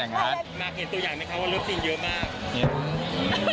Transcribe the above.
ก้าวไปวัยหรือ